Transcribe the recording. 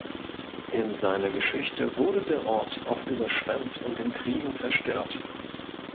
In seiner Geschichte wurde der Ort oft überschwemmt und in Kriegen zerstört.